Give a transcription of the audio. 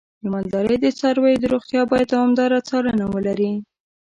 د مالدارۍ د څارویو روغتیا باید دوامداره څارنه ولري.